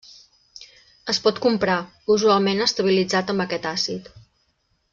Es pot comprar, usualment estabilitzat amb aquest àcid.